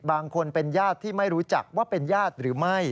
บางคนเป็นญาติที่ไม่รู้จักว่าเป็นญาติหรือไม่